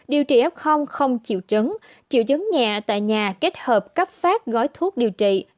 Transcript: điều trị f không chịu chứng chịu chứng nhà tại nhà kết hợp cấp phát gói thuốc điều trị